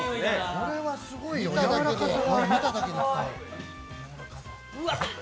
これはすごいよ、やわらかさが。